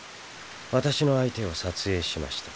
私の相手を撮影しました。